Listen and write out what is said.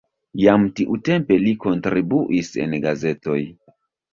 Jam tiutempe li kontribuis en gazetoj.